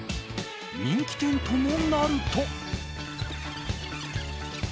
人気店ともなると。